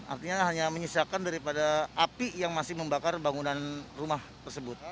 artinya hanya menyisakan daripada api yang masih membakar bangunan rumah tersebut